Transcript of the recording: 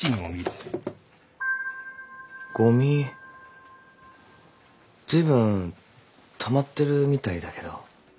ごみずいぶんたまってるみたいだけど。